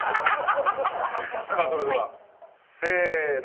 さあそれではせーの。